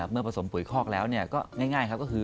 เมื่อผสมปุ่ยคอกแล้วก็ง่ายครับ